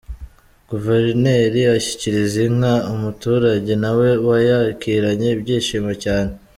Guverineri ashyikiriza inka umuturage nawe wayakiranye ibyishimo cyane.